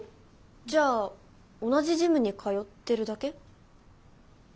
じゃあ同じジムに通ってるだけ？